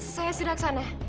saya sudah ke sana